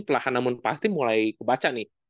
pelahkan namun pasti mulai kebaca nih